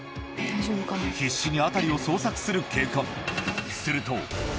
必死に辺りを捜索する警官。